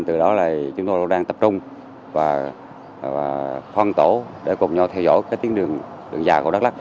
từ đó chúng tôi đang tập trung và khoan tổ để cùng nhau theo dõi tiến đường dài của đắk lắk